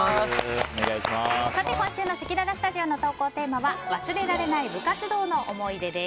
今週のせきららスタジオの投稿テーマは忘れられない部活動の思い出です。